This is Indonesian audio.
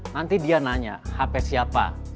nanti dia nanya hp siapa